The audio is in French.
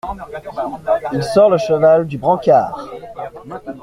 Il sort le cheval du brancard.